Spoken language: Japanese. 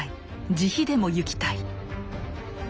自費でもゆきたい」。